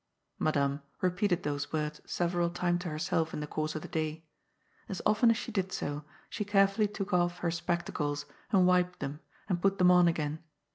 Madame repeated those words several times to herself in the course of the day. As often as she did so, she carefully took off her spectacles, and wiped them, and put them on again.